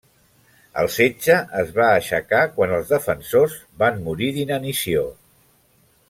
El setge es va aixecar quan els defensors van morir d'inanició.